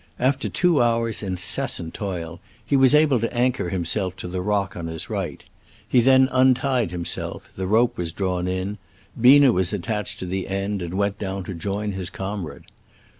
After two hours' incessant toil, he was able to anchor himself to the rock on his right. He then untied himself, the rope was drawn in, Biener was attached to the end and went down to join his com rade.